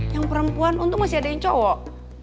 yang perempuan untung masih ada yang cowok